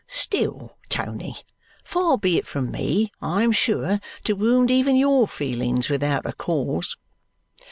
Still, Tony, far be it from me, I am sure, to wound even your feelings without a cause!"